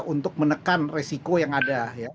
untuk menekan resiko yang ada